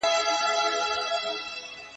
زه نان خوړلی دی!؟